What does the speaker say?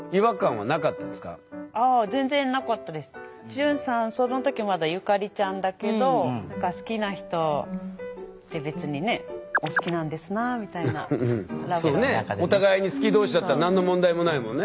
潤さんその時まだゆかりちゃんだけど好きな人って別にねお互いに好き同士だったら何の問題もないもんね。